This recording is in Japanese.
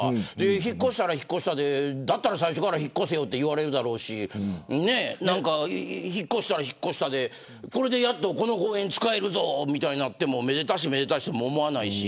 引っ越したら引っ越したでだったら最初から引っ越せと言われるだろうし引っ越したら、これでこの公園使えるぞみたいになってもめでたしとも思わないし。